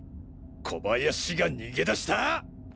小林が逃げ出したぁ！？